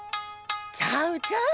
ちゃうちゃう！